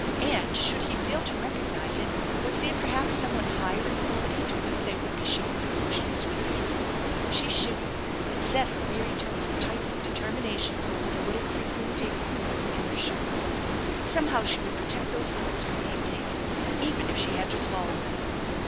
And should he fail to recog* nize it, was there perhaps some one higher in authority to whom they would be shown before she was released? She shivered and set her weary toes tight with determination over the little crinkling papers in her shoes. Somehow she would protect those notes from being taken, even if she had to swallow them.